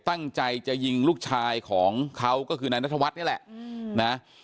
ตั้งใจจะยิงลูกชายของเขาก็คือนายนัทวัฒน์นี่แหละนะ